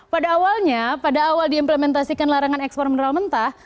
pada awalnya pada awal diimplementasikan larangan ekspor mineral mentah